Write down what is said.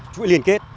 chuỗi liên kết